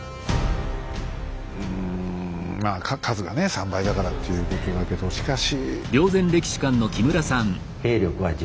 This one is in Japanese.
うんまあ数がね３倍だからっていうことだけどしかし。